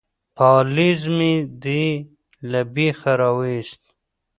_پالېز مې دې له بېخه را وايست.